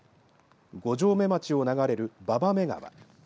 五城目町を流れる馬場目川